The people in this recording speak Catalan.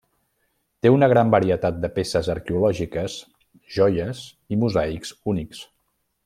Té una gran varietat de peces arqueològiques, joies i mosaics únics.